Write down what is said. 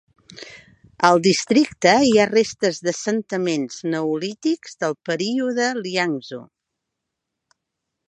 Al districte hi ha restes d'assentaments neolítics del període Liangzhu.